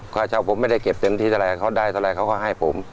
ค่าเช่าผมไม่ได้เก็บเต็มที่เท่าไหร่เขาได้เท่าไรเขาก็ให้ผม